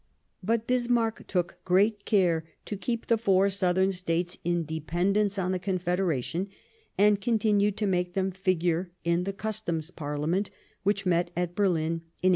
But Bismarck took great care to keep the four Southern States in dependence on the Confedera tion, and continued to make them figure Parliamenr^ in the Customs Parliament which met at Berlin in 1868.